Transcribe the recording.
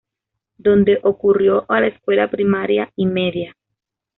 Donde concurrió a la escuela primaria y media.